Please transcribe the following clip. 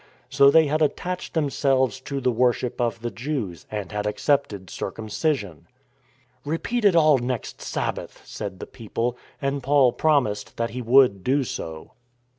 So they had attached themselves to the worship of the Jews and had accepted circumcision. " Repeat it all next Sabbath," said the people; and Paul promised that he would do so.